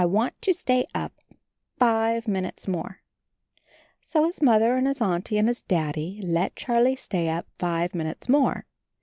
I want to stay up five minutes more." So his Mother and his Auntie and his Daddy let Charlie stay up five minutes more.